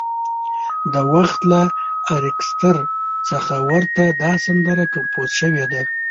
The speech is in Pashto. د وخت له ارکستر څخه ورته دا سندره کمپوز شوې ده.